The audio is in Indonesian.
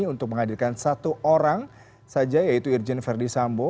untuk menghadirkan satu orang saja yaitu irjen verdi sambo